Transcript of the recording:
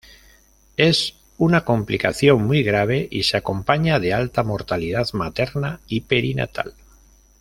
Es una complicación muy grave y se acompaña de alta mortalidad materna y perinatal.